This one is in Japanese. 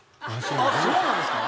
あっそうなんですか？